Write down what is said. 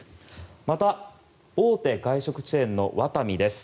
また、大手外食チェーンのワタミです。